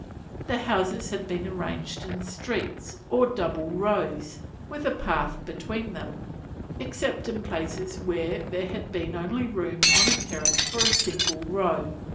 The houses had been arranged in streets, or double rows, with a path between them; except in places where there had been only room on a terrace for a single row.